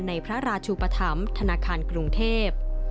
ในพระราชุปธรรมธนาคารกรุงเทพ